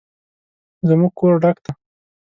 زموږ کور ډک دی